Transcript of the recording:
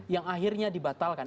yang akhirnya dibatalkan